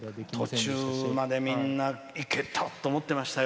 途中まで、みんないけたと思っていましたよ。